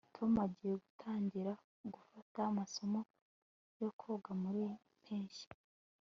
tom agiye gutangira gufata amasomo yo koga muriyi mpeshyi